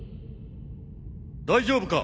大丈夫か？